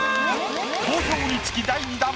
好評につき第２弾。